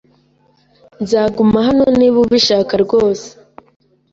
Nzaguma hano niba ubishaka rwose.